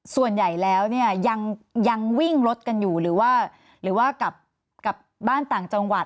ส่วนใหญ่แล้วยังวิ่งรถกันอยู่หรือว่ากลับบ้านต่างจังหวัด